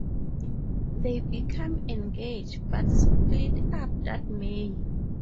They become engaged but split up that May.